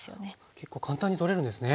結構簡単に取れるんですね。